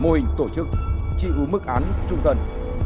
mô hình tổ chức trị ưu mức án trung tân